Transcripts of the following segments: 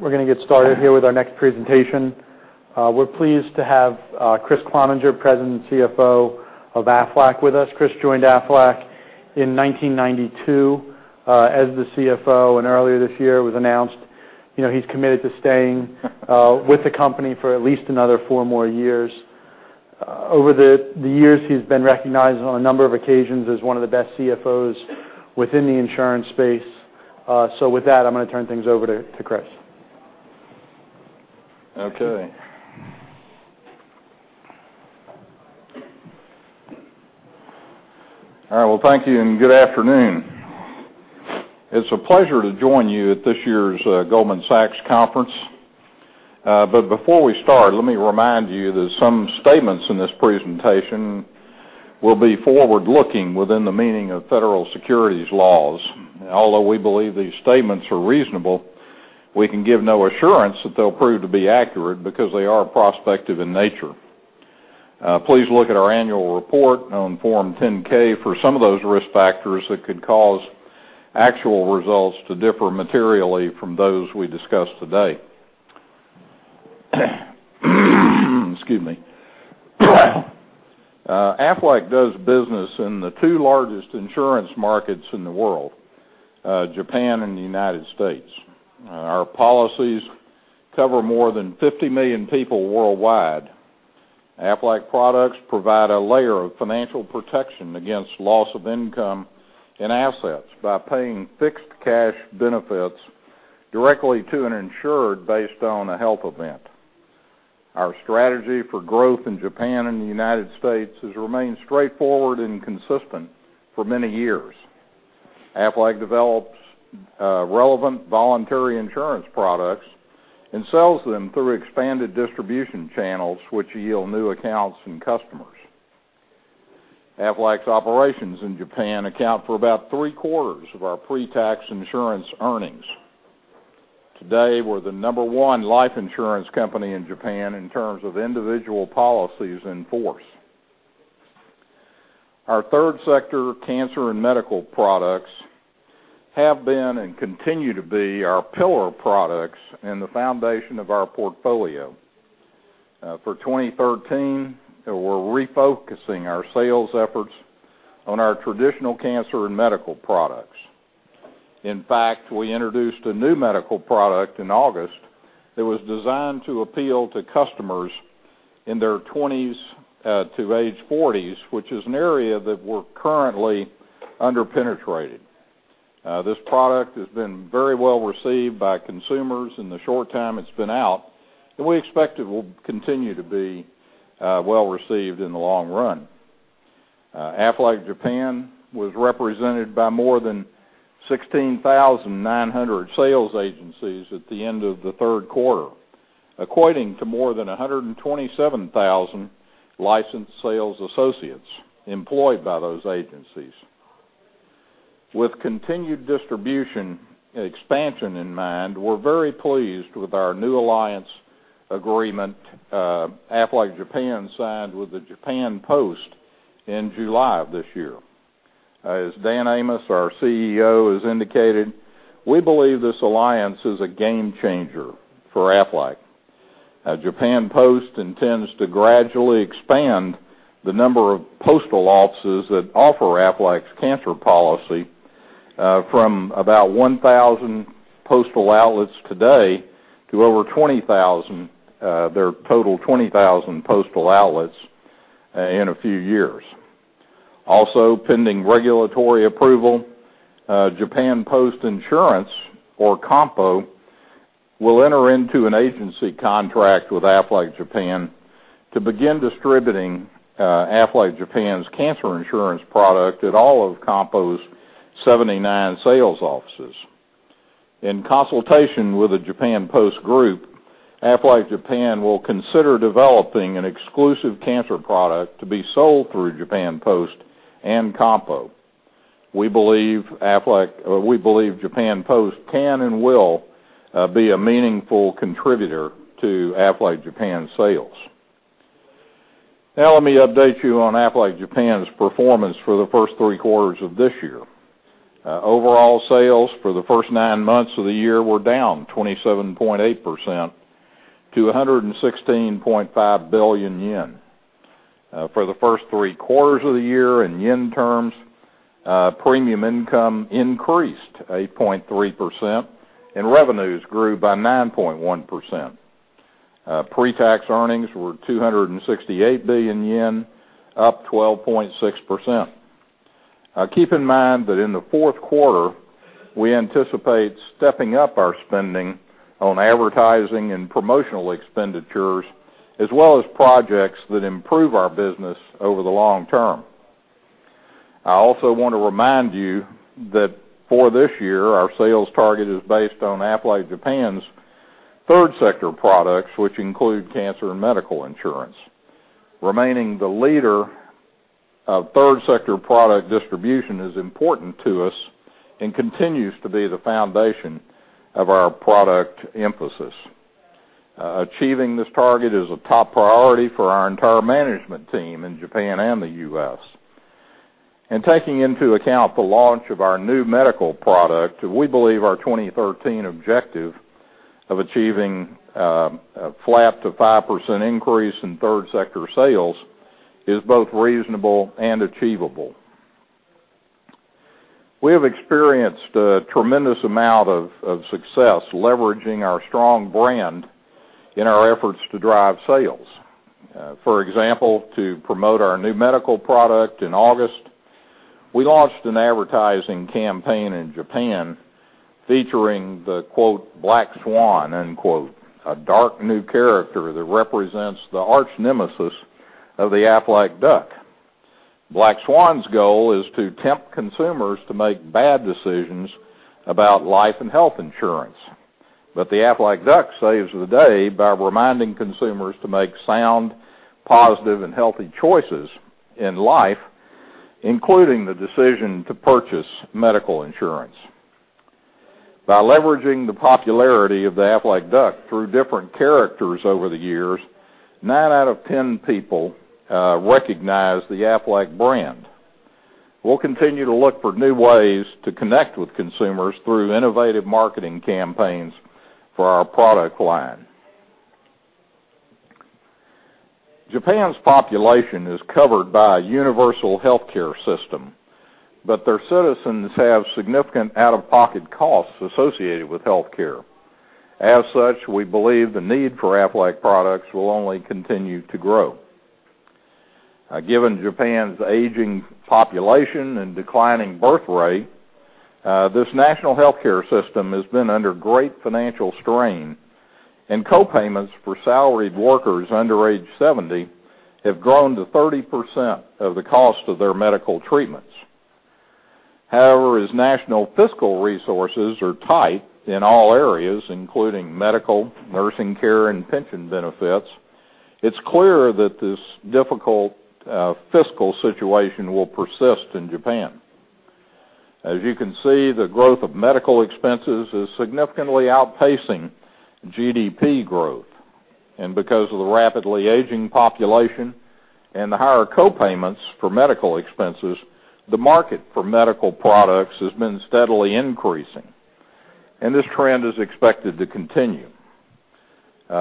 We're going to get started here with our next presentation. We're pleased to have Kriss Cloninger, President and CFO of Aflac with us. Kriss joined Aflac in 1992 as the CFO, and earlier this year it was announced he's committed to staying with the company for at least another four more years. Over the years, he's been recognized on a number of occasions as one of the best CFOs within the insurance space. With that, I'm going to turn things over to Kris. Okay. Thank you and good afternoon. It's a pleasure to join you at this year's Goldman Sachs conference. Before we start, let me remind you that some statements in this presentation will be forward-looking within the meaning of federal securities laws. Although we believe these statements are reasonable, we can give no assurance that they'll prove to be accurate because they are prospective in nature. Please look at our annual report on Form 10-K for some of those risk factors that could cause actual results to differ materially from those we discuss today. Excuse me. Aflac does business in the two largest insurance markets in the world, Japan and the U.S. Our policies cover more than 50 million people worldwide. Aflac products provide a layer of financial protection against loss of income and assets by paying fixed cash benefits directly to an insured based on a health event. Our strategy for growth in Japan and the U.S. has remained straightforward and consistent for many years. Aflac develops relevant voluntary insurance products and sells them through expanded distribution channels, which yield new accounts and customers. Aflac's operations in Japan account for about three-quarters of our pre-tax insurance earnings. Today, we're the number one life insurance company in Japan in terms of individual policies in force. Our third sector cancer and medical products have been and continue to be our pillar products and the foundation of our portfolio. For 2013, we're refocusing our sales efforts on our traditional cancer and medical products. In fact, we introduced a new medical product in August that was designed to appeal to customers in their twenties to age forties, which is an area that we're currently under-penetrated. This product has been very well received by consumers in the short time it's been out, and we expect it will continue to be well-received in the long run. Aflac Japan was represented by more than 16,900 sales agencies at the end of the third quarter, equating to more than 127,000 licensed sales associates employed by those agencies. With continued distribution expansion in mind, we're very pleased with our new alliance agreement Aflac Japan signed with the Japan Post in July of this year. As Dan Amos, our CEO, has indicated, we believe this alliance is a game changer for Aflac. Japan Post intends to gradually expand the number of postal offices that offer Aflac's cancer policy from about 1,000 postal outlets today to over 20,000, their total 20,000 postal outlets in a few years. Also, pending regulatory approval, Japan Post Insurance, or Kampo, will enter into an agency contract with Aflac Japan to begin distributing Aflac Japan's cancer insurance product at all of Kampo's 79 sales offices. In consultation with the Japan Post Group, Aflac Japan will consider developing an exclusive cancer product to be sold through Japan Post and Kampo. We believe Japan Post can and will be a meaningful contributor to Aflac Japan sales. Let me update you on Aflac Japan's performance for the first three quarters of this year. Overall sales for the first nine months of the year were down 27.8% to 116.5 billion yen. For the first three quarters of the year, in yen terms, premium income increased 8.3%. Revenues grew by 9.1%. Pre-tax earnings were 268 billion yen, up 12.6%. Keep in mind that in the fourth quarter, we anticipate stepping up our spending on advertising and promotional expenditures, as well as projects that improve our business over the long term. I also want to remind you that for this year, our sales target is based on Aflac Japan's third sector products, which include cancer and medical insurance. Remaining the leader of third sector product distribution is important to us and continues to be the foundation of our product emphasis. Achieving this target is a top priority for our entire management team in Japan and the U.S. Taking into account the launch of our new medical product, we believe our 2013 objective of achieving a flat to 5% increase in third sector sales is both reasonable and achievable. We have experienced a tremendous amount of success leveraging our strong brand in our efforts to drive sales. For example, to promote our new medical product in August, we launched an advertising campaign in Japan featuring the Black Swan, a dark new character that represents the arch nemesis of the Aflac Duck. Black Swan's goal is to tempt consumers to make bad decisions about life and health insurance. The Aflac Duck saves the day by reminding consumers to make sound, positive, and healthy choices in life, including the decision to purchase medical insurance. By leveraging the popularity of the Aflac Duck through different characters over the years, nine out of 10 people recognize the Aflac brand. We'll continue to look for new ways to connect with consumers through innovative marketing campaigns for our product line. Japan's population is covered by a universal healthcare system, but their citizens have significant out-of-pocket costs associated with healthcare. As such, we believe the need for Aflac products will only continue to grow. Given Japan's aging population and declining birth rate, this national healthcare system has been under great financial strain, and co-payments for salaried workers under age 70 have grown to 30% of the cost of their medical treatments. However, as national fiscal resources are tight in all areas, including medical, nursing care, and pension benefits, it's clear that this difficult fiscal situation will persist in Japan. As you can see, the growth of medical expenses is significantly outpacing GDP growth. Because of the rapidly aging population and the higher co-payments for medical expenses, the market for medical products has been steadily increasing, and this trend is expected to continue.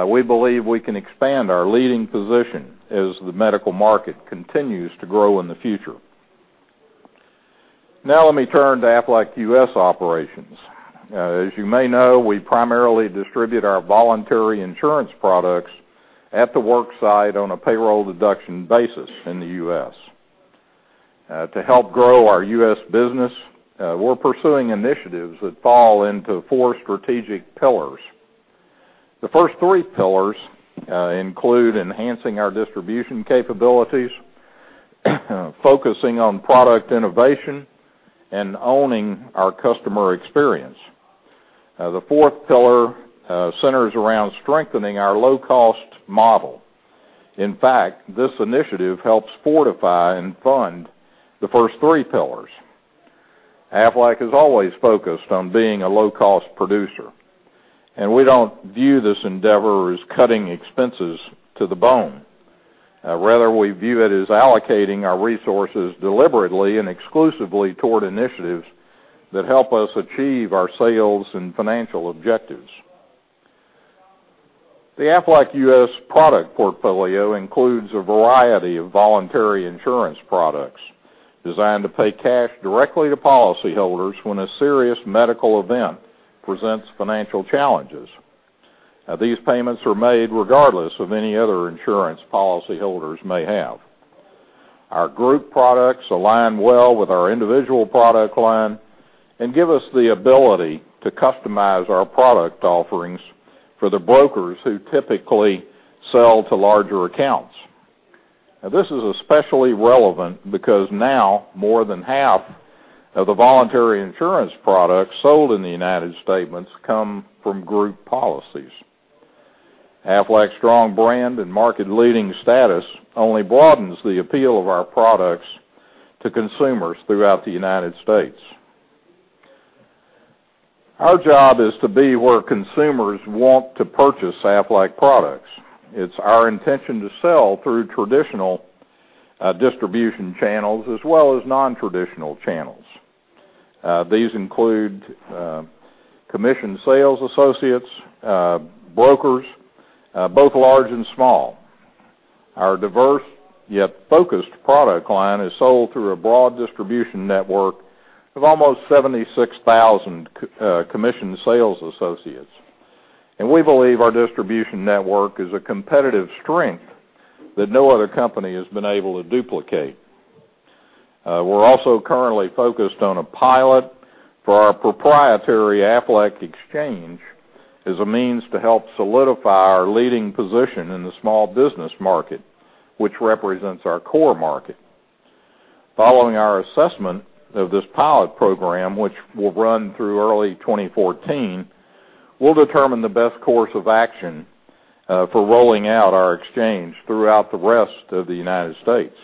We believe we can expand our leading position as the medical market continues to grow in the future. Now let me turn to Aflac US operations. As you may know, we primarily distribute our voluntary insurance products at the work site on a payroll deduction basis in the U.S. To help grow our U.S. business, we're pursuing initiatives that fall into four strategic pillars. The first three pillars include enhancing our distribution capabilities, focusing on product innovation, and owning our customer experience. The fourth pillar centers around strengthening our low-cost model. In fact, this initiative helps fortify and fund the first three pillars. Aflac has always focused on being a low-cost producer, and we don't view this endeavor as cutting expenses to the bone. Rather, we view it as allocating our resources deliberately and exclusively toward initiatives that help us achieve our sales and financial objectives. The Aflac US product portfolio includes a variety of voluntary insurance products designed to pay cash directly to policyholders when a serious medical event presents financial challenges. These payments are made regardless of any other insurance policyholders may have. Our group products align well with our individual product line and give us the ability to customize our product offerings for the brokers who typically sell to larger accounts. This is especially relevant because now more than half of the voluntary insurance products sold in the United States come from group policies. Aflac's strong brand and market-leading status only broadens the appeal of our products to consumers throughout the United States. Our job is to be where consumers want to purchase Aflac products. It's our intention to sell through traditional distribution channels as well as non-traditional channels. These include commission sales associates, brokers, both large and small. Our diverse yet focused product line is sold through a broad distribution network of almost 76,000 commission sales associates, and we believe our distribution network is a competitive strength that no other company has been able to duplicate. We're also currently focused on a pilot for our proprietary Aflac exchange as a means to help solidify our leading position in the small business market, which represents our core market. Following our assessment of this pilot program, which will run through early 2014, we'll determine the best course of action for rolling out our exchange throughout the rest of the United States.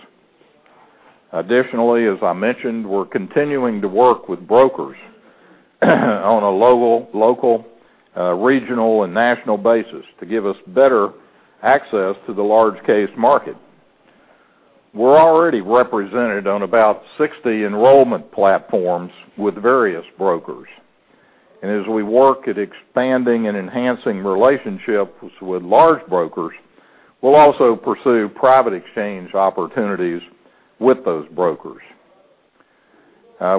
Additionally, as I mentioned, we're continuing to work with brokers. On a local, regional, and national basis to give us better access to the large case market. We're already represented on about 60 enrollment platforms with various brokers. As we work at expanding and enhancing relationships with large brokers, we'll also pursue private exchange opportunities with those brokers.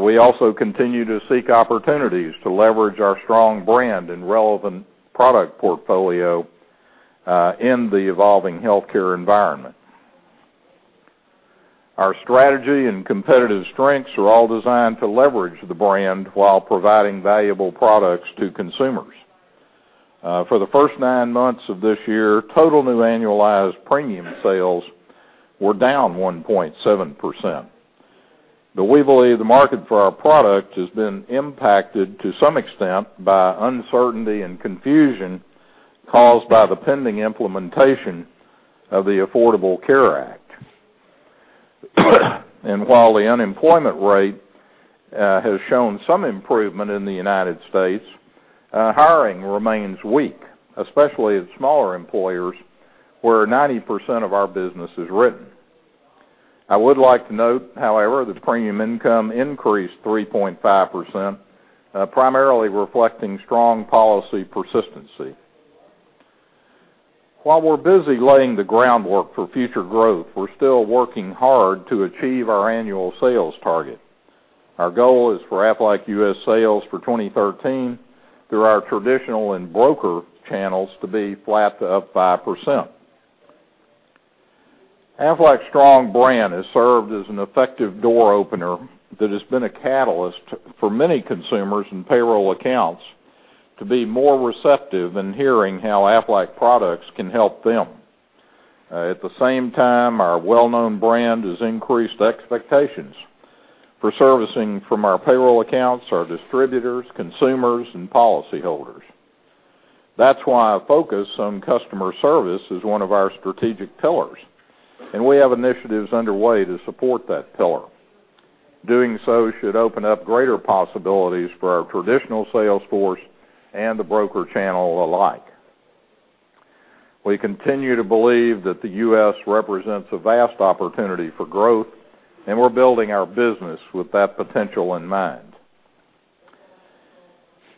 We also continue to seek opportunities to leverage our strong brand and relevant product portfolio in the evolving healthcare environment. Our strategy and competitive strengths are all designed to leverage the brand while providing valuable products to consumers. For the first nine months of this year, total new annualized premium sales were down 1.7%. We believe the market for our product has been impacted to some extent by uncertainty and confusion caused by the pending implementation of the Affordable Care Act. While the unemployment rate has shown some improvement in the United States, hiring remains weak, especially at smaller employers, where 90% of our business is written. I would like to note, however, that premium income increased 3.5%, primarily reflecting strong policy persistency. While we're busy laying the groundwork for future growth, we're still working hard to achieve our annual sales target. Our goal is for Aflac US sales for 2013, through our traditional and broker channels, to be flat to up 5%. Aflac's strong brand has served as an effective door opener that has been a catalyst for many consumers and payroll accounts to be more receptive in hearing how Aflac products can help them. At the same time, our well-known brand has increased expectations for servicing from our payroll accounts, our distributors, consumers, and policyholders. That's why a focus on customer service is one of our strategic pillars, and we have initiatives underway to support that pillar. Doing so should open up greater possibilities for our traditional sales force and the broker channel alike. We continue to believe that the U.S. represents a vast opportunity for growth, and we're building our business with that potential in mind.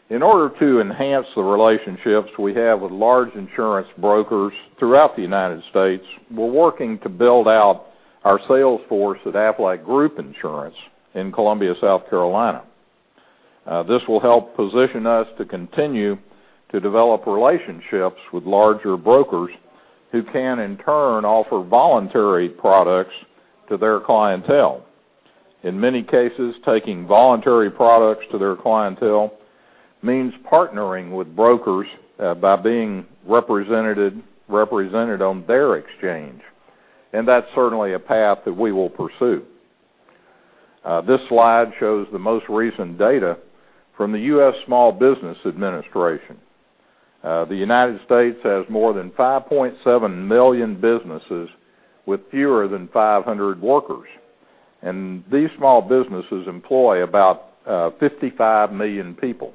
In order to enhance the relationships we have with large insurance brokers throughout the United States, we're working to build out our sales force at Aflac Group Insurance in Columbia, South Carolina. This will help position us to continue to develop relationships with larger brokers who can, in turn, offer voluntary products to their clientele. In many cases, taking voluntary products to their clientele means partnering with brokers by being represented on their exchange, and that's certainly a path that we will pursue. This slide shows the most recent data from the U.S. Small Business Administration. The United States has more than 5.7 million businesses with fewer than 500 workers, and these small businesses employ about 55 million people.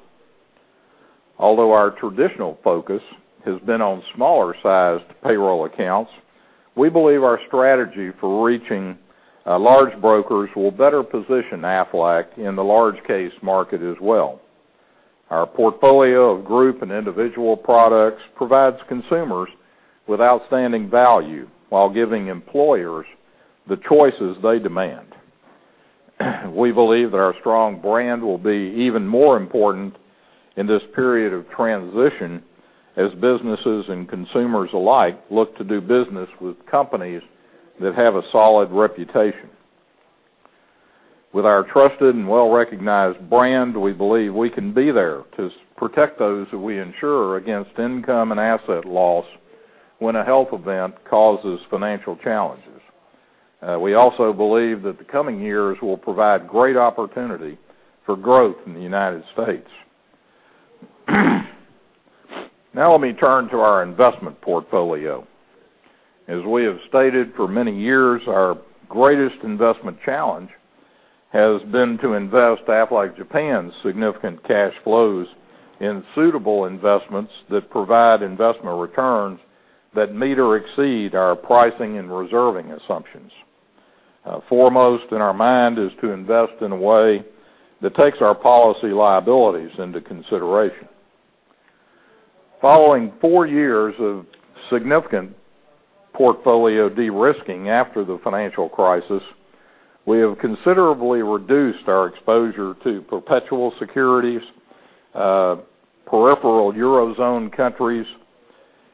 Although our traditional focus has been on smaller-sized payroll accounts, we believe our strategy for reaching large brokers will better position Aflac in the large case market as well. Our portfolio of group and individual products provides consumers with outstanding value while giving employers the choices they demand. We believe that our strong brand will be even more important in this period of transition as businesses and consumers alike look to do business with companies that have a solid reputation. With our trusted and well-recognized brand, we believe we can be there to protect those who we insure against income and asset loss when a health event causes financial challenges. We also believe that the coming years will provide great opportunity for growth in the United States. Now let me turn to our investment portfolio. As we have stated for many years, our greatest investment challenge has been to invest Aflac Japan's significant cash flows in suitable investments that provide investment returns that meet or exceed our pricing and reserving assumptions. Foremost in our mind is to invest in a way that takes our policy liabilities into consideration. Following four years of significant portfolio de-risking after the financial crisis, we have considerably reduced our exposure to perpetual securities, peripheral Eurozone countries,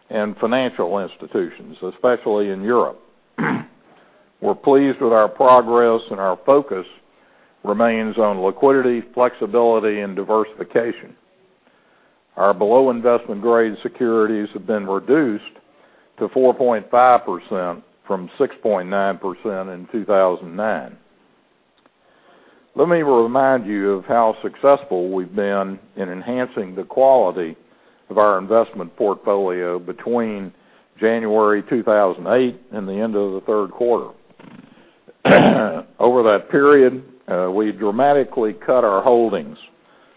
and financial institutions, especially in Europe. We're pleased with our progress. Our focus remains on liquidity, flexibility, and diversification. Our below investment-grade securities have been reduced to 4.5% from 6.9% in 2009. Let me remind you of how successful we've been in enhancing the quality of our investment portfolio between January 2008 and the end of the third quarter. Over that period, we dramatically cut our holdings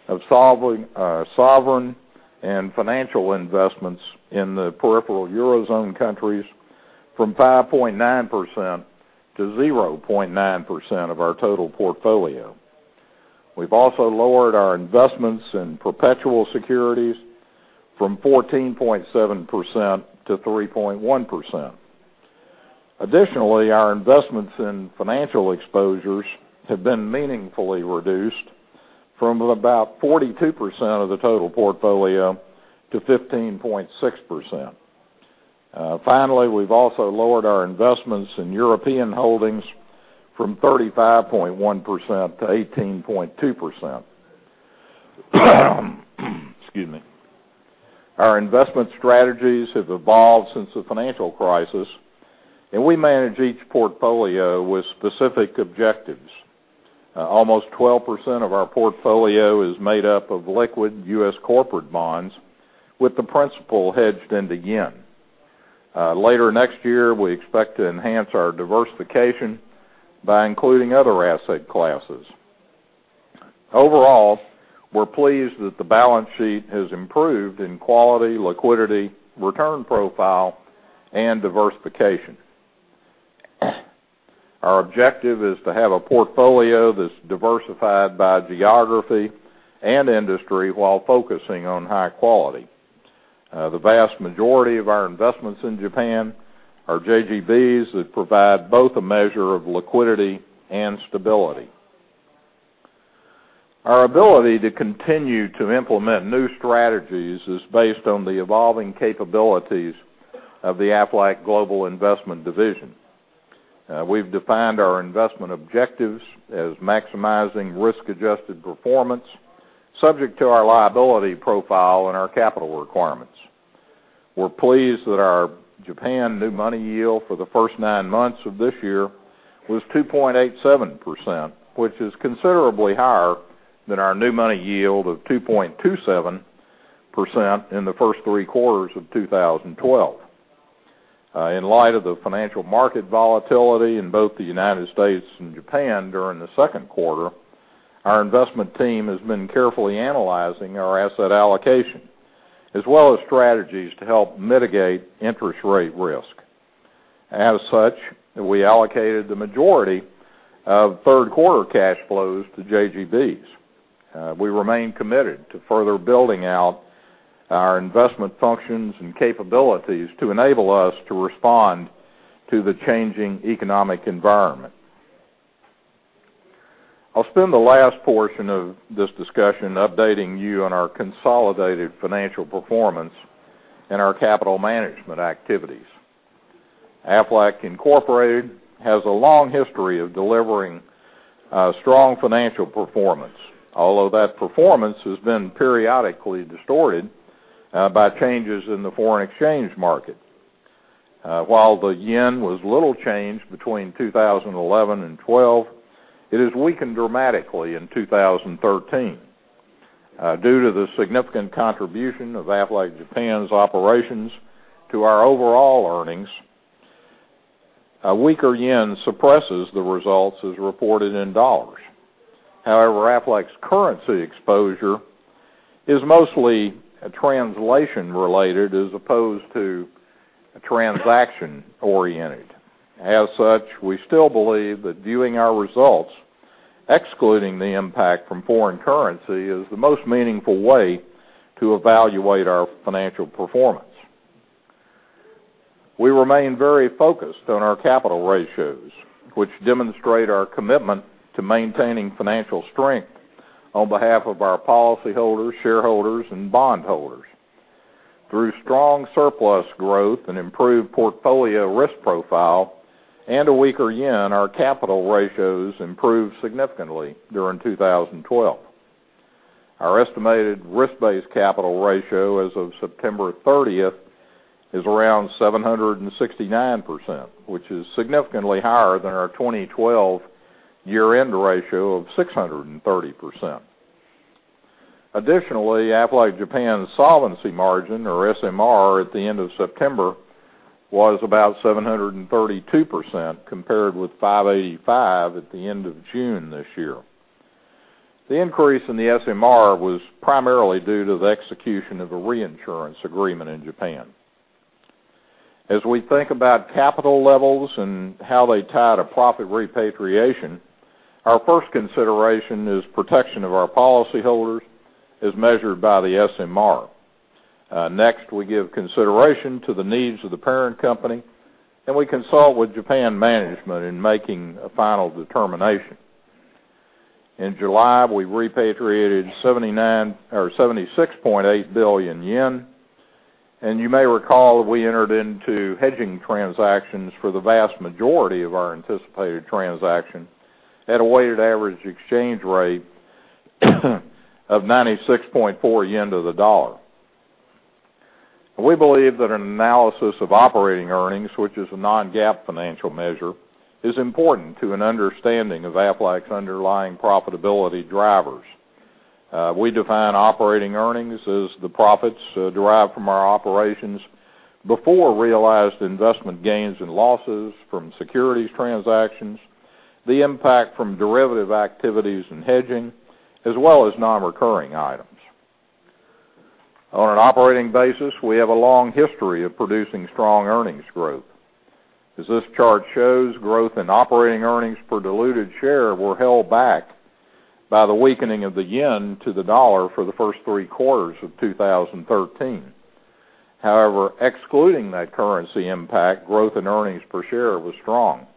of sovereign and financial investments in the peripheral eurozone countries from 5.9% to 0.9% of our total portfolio. We've also lowered our investments in perpetual securities from 14.7% to 3.1%. Additionally, our investments in financial exposures have been meaningfully reduced from about 42% of the total portfolio to 15.6%. Finally, we've also lowered our investments in European holdings from 35.1% to 18.2%. Excuse me. Our investment strategies have evolved since the financial crisis. We manage each portfolio with specific objectives. Almost 12% of our portfolio is made up of liquid U.S. corporate bonds with the principal hedged into JPY. Later next year, we expect to enhance our diversification by including other asset classes. Overall, we're pleased that the balance sheet has improved in quality, liquidity, return profile, and diversification. Our objective is to have a portfolio that's diversified by geography and industry while focusing on high quality. The vast majority of our investments in Japan are JGBs that provide both a measure of liquidity and stability. Our ability to continue to implement new strategies is based on the evolving capabilities of Aflac Global Investments. We've defined our investment objectives as maximizing risk-adjusted performance subject to our liability profile and our capital requirements. We're pleased that our Japan new money yield for the first nine months of this year was 2.87%, which is considerably higher than our new money yield of 2.27% in the first three quarters of 2012. In light of the financial market volatility in both the United States and Japan during the second quarter, our investment team has been carefully analyzing our asset allocation as well as strategies to help mitigate interest rate risk. We allocated the majority of third quarter cash flows to JGBs. We remain committed to further building out our investment functions and capabilities to enable us to respond to the changing economic environment. I'll spend the last portion of this discussion updating you on our consolidated financial performance and our capital management activities. Aflac Incorporated has a long history of delivering strong financial performance. That performance has been periodically distorted by changes in the foreign exchange market. The JPY was little changed between 2011 and 2012. It has weakened dramatically in 2013. Due to the significant contribution of Aflac Japan's operations to our overall earnings, a weaker JPY suppresses the results as reported in dollars. Aflac's currency exposure is mostly translation related as opposed to transaction oriented. We still believe that viewing our results, excluding the impact from foreign currency, is the most meaningful way to evaluate our financial performance. We remain very focused on our capital ratios, which demonstrate our commitment to maintaining financial strength on behalf of our policyholders, shareholders and bondholders. Through strong surplus growth and improved portfolio risk profile and a weaker JPY, our capital ratios improved significantly during 2012. Our estimated risk-based capital ratio as of September 30th is around 769%, which is significantly higher than our 2012 year-end ratio of 630%. Additionally, Aflac Japan's solvency margin, or SMR, at the end of September was about 732%, compared with 585% at the end of June this year. The increase in the SMR was primarily due to the execution of a reinsurance agreement in Japan. As we think about capital levels and how they tie to profit repatriation, our first consideration is protection of our policyholders as measured by the SMR. Next, we give consideration to the needs of the parent company, and we consult with Japan management in making a final determination. In July, we repatriated 76.8 billion yen, and you may recall that we entered into hedging transactions for the vast majority of our anticipated transaction at a weighted average exchange rate of 96.4 yen to the dollar. We believe that an analysis of operating earnings, which is a non-GAAP financial measure, is important to an understanding of Aflac's underlying profitability drivers. We define operating earnings as the profits derived from our operations before realized investment gains and losses from securities transactions, the impact from derivative activities and hedging, as well as non-recurring items. On an operating basis, we have a long history of producing strong earnings growth. As this chart shows, growth in operating earnings per diluted share were held back by the weakening of the yen to the dollar for the first three quarters of 2013. However, excluding that currency impact, growth in earnings per share was strong.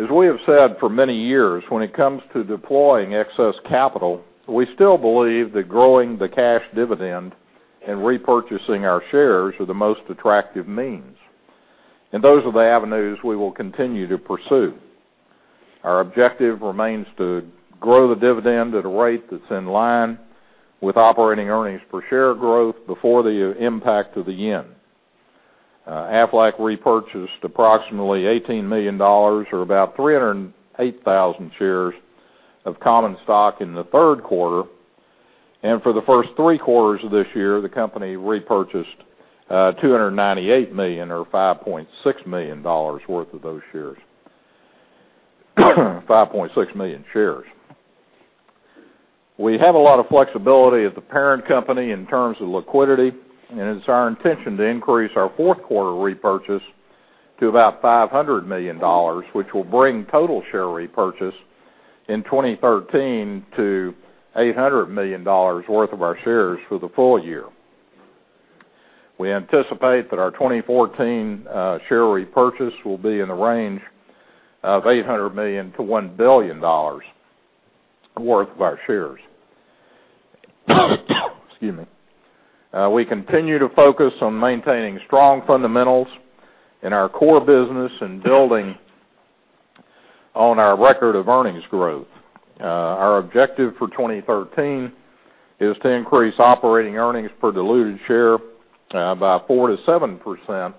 As we have said for many years, when it comes to deploying excess capital, we still believe that growing the cash dividend and repurchasing our shares are the most attractive means. Those are the avenues we will continue to pursue. Our objective remains to grow the dividend at a rate that's in line with operating earnings per share growth before the impact of the yen. Aflac repurchased approximately $18 million, or about 308,000 shares of common stock in the third quarter, and for the first three quarters of this year, the company repurchased $298 million or $5.6 million worth of those shares. 5.6 million shares. We have a lot of flexibility at the parent company in terms of liquidity. It's our intention to increase our fourth quarter repurchase to about $500 million, which will bring total share repurchase in 2013 to $800 million worth of our shares for the full year. We anticipate that our 2014 share repurchase will be in the range of $800 million-$1 billion worth of our shares. Excuse me. We continue to focus on maintaining strong fundamentals in our core business and building on our record of earnings growth. Our objective for 2013 is to increase operating earnings per diluted share by 4%-7%,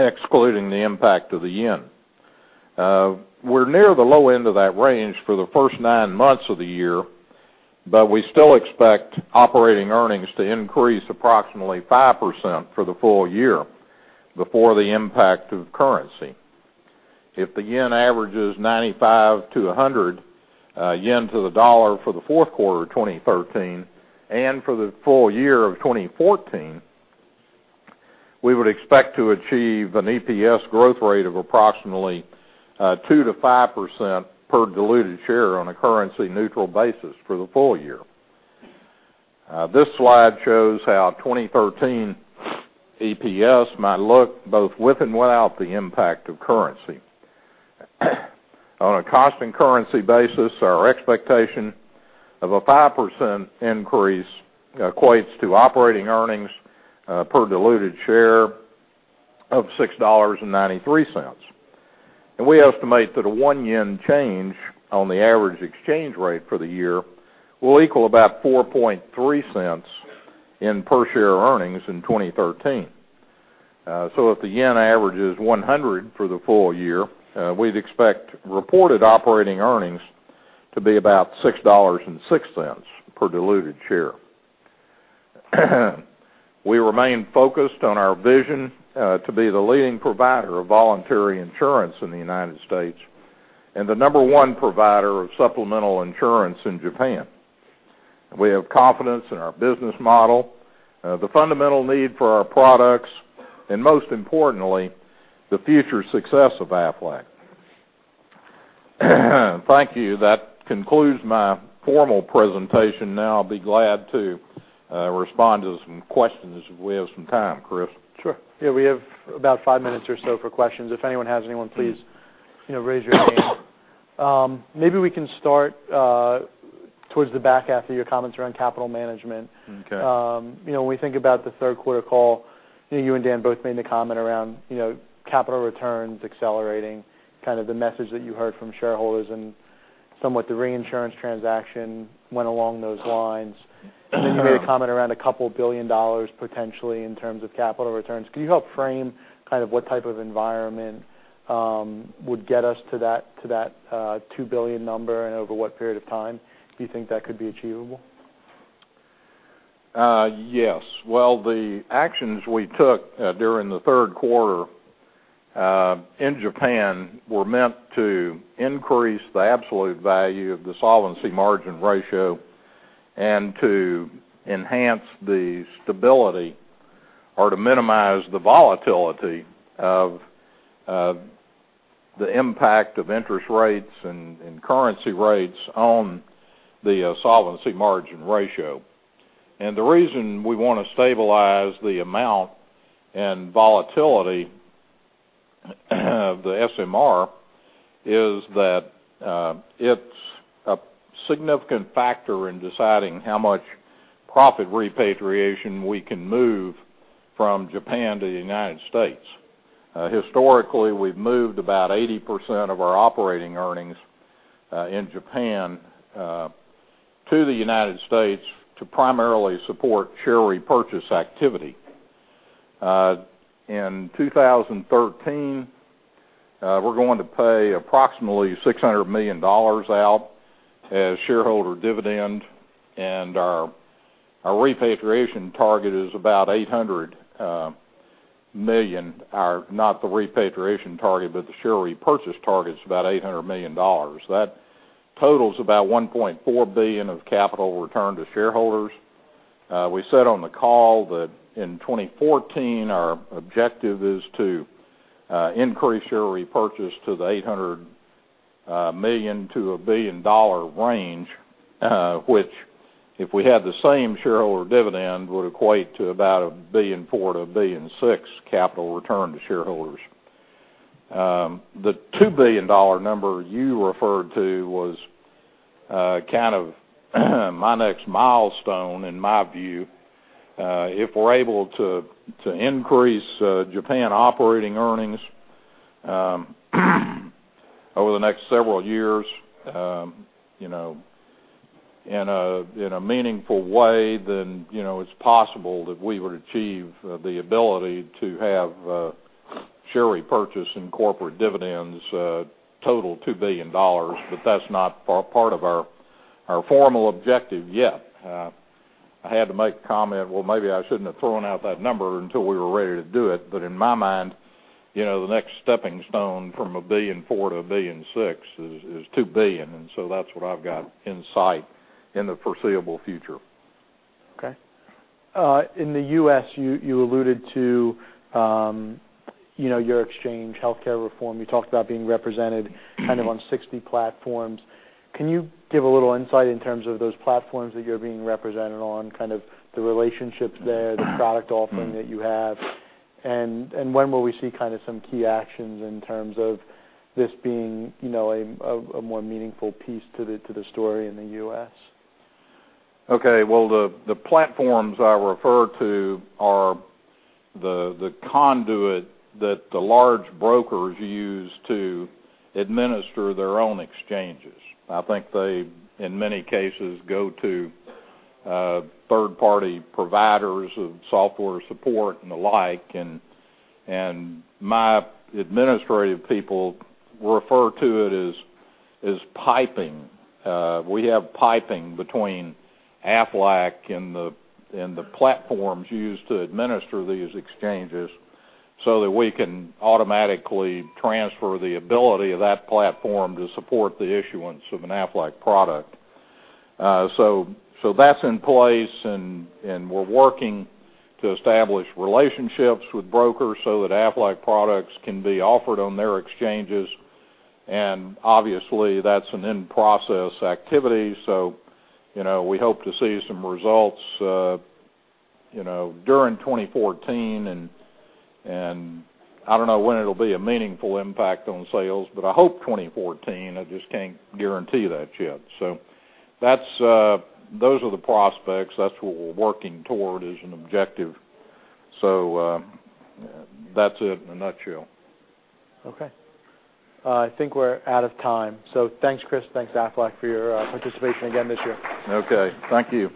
excluding the impact of the yen. We're near the low end of that range for the first nine months of the year, but we still expect operating earnings to increase approximately 5% for the full year before the impact of currency. If the yen averages 95 to 100 yen to the dollar for the fourth quarter of 2013 and for the full year of 2014, we would expect to achieve an EPS growth rate of approximately 2%-5% per diluted share on a currency-neutral basis for the full year. This slide shows how 2013 EPS might look both with and without the impact of currency. On a constant currency basis, our expectation of a 5% increase equates to operating earnings per diluted share of $6.93. We estimate that a one JPY change on the average exchange rate for the year will equal about $0.043 in per share earnings in 2013. If the yen averages 100 for the full year, we'd expect reported operating earnings to be about $6.06 per diluted share. We remain focused on our vision to be the leading provider of voluntary insurance in the U.S. and the number one provider of supplemental insurance in Japan. We have confidence in our business model, the fundamental need for our products, and most importantly, the future success of Aflac. Thank you. That concludes my formal presentation. I'll be glad to respond to some questions if we have some time, Kriss. Sure. We have about five minutes or so for questions. If anyone has anyone, please raise your hand. We can start towards the back after your comments around capital management. Okay. When we think about the third quarter call, you and Dan both made the comment around capital returns accelerating, kind of the message that you heard from shareholders and somewhat the reinsurance transaction went along those lines. You made a comment around a couple billion dollars potentially in terms of capital returns. Can you help frame kind of what type of environment would get us to that $2 billion number and over what period of time do you think that could be achievable? Yes. Well, the actions we took during the third quarter in Japan were meant to increase the absolute value of the solvency margin ratio and to enhance the stability or to minimize the volatility of the impact of interest rates and currency rates on the solvency margin ratio. The reason we want to stabilize the amount and volatility of the SMR is that it's a significant factor in deciding how much profit repatriation we can move from Japan to the U.S. Historically, we've moved about 80% of our operating earnings in Japan to the U.S. to primarily support share repurchase activity. In 2013, we're going to pay approximately $600 million out as shareholder dividend, and our repatriation target is about $800 million. Not the repatriation target, but the share repurchase target is about $800 million. That totals about $1.4 billion of capital return to shareholders. We said on the call that in 2014, our objective is to increase share repurchase to the $800 million-$1 billion range, which if we had the same shareholder dividend, would equate to about $1.4 billion-$1.6 billion capital return to shareholders. The $2 billion number you referred to was kind of my next milestone in my view. If we're able to increase Japan operating earnings over the next several years in a meaningful way, it's possible that we would achieve the ability to have share repurchase and corporate dividends total $2 billion, but that's not part of our formal objective yet. I had to make the comment, well, maybe I shouldn't have thrown out that number until we were ready to do it. In my mind, the next stepping stone from $1.4 billion-$1.6 billion is $2 billion, that's what I've got in sight in the foreseeable future. Okay. In the U.S., you alluded to your Aflac exchange healthcare reform. You talked about being represented kind of on 60 platforms. Can you give a little insight in terms of those platforms that you're being represented on, kind of the relationships there, the product offering that you have, and when will we see kind of some key actions in terms of this being a more meaningful piece to the story in the U.S.? Okay. Well, the platforms I refer to are the conduit that the large brokers use to administer their own exchanges. I think they, in many cases, go to third-party providers of software support and the like. My administrative people refer to it as piping. We have piping between Aflac and the platforms used to administer these exchanges so that we can automatically transfer the ability of that platform to support the issuance of an Aflac product. That's in place, and we're working to establish relationships with brokers so that Aflac products can be offered on their exchanges, and obviously, that's an in-process activity. We hope to see some results during 2014. I don't know when it'll be a meaningful impact on sales, but I hope 2014. I just can't guarantee that yet. Those are the prospects. That's what we're working toward as an objective. That's it in a nutshell. Okay. I think we're out of time. Thanks, Kriss. Thanks, Aflac, for your participation again this year. Okay. Thank you.